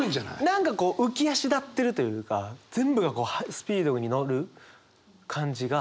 何かこう浮き足立ってるというか全部がスピードに乗る感じが。